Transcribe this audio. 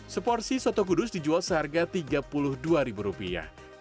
seporsi soto kudus dijual seharga tiga puluh dua ribu rupiah